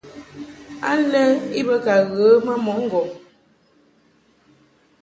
Alɛ i be ka ghə ma mɔʼ ŋgɔŋ.